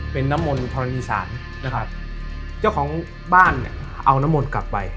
เป็นน้ำมนธรณีศาลนะครับเจ้าของบ้านเนี่ยเอาน้ำมนต์กลับไป